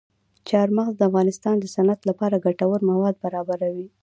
چار مغز د افغانستان د صنعت لپاره ګټور مواد برابروي.